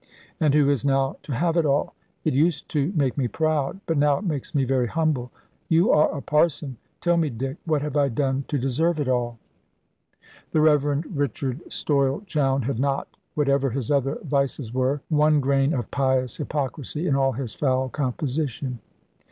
And who is now to have it all? It used to make me proud; but now it makes me very humble. You are a parson; tell me, Dick, what have I done to deserve it all?" The Rev. Richard Stoyle Chowne had not whatever his other vices were one grain of pious hypocrisy in all his foul composition.